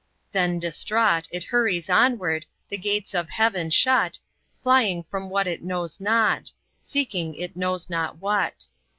Then, distraught, it hurries onward, the gates of heaven shut, Flying from what it knows not, seeking it knows not what.